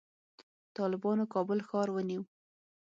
طالبانو کابل ښار ونیو